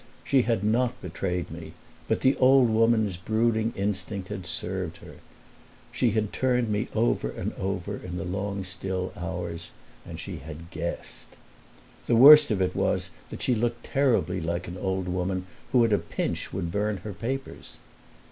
She had not betrayed me, but the old woman's brooding instinct had served her; she had turned me over and over in the long, still hours, and she had guessed. The worst of it was that she looked terribly like an old woman who at a pinch would burn her papers.